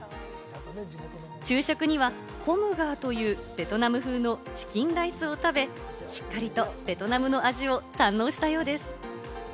昼食にはコムガーというベトナム風のチキンライスを食べ、しっかりとベトナムの味を堪能したようです。